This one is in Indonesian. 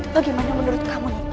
bagaimana menurut kamu nita